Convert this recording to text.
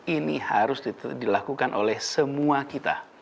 ini harus dilakukan oleh semua kita